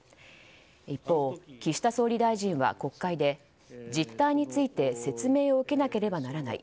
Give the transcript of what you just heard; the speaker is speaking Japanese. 一方、岸田総理大臣は国会で実態について説明を受けなければならない。